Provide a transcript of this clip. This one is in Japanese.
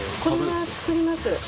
これは作ります。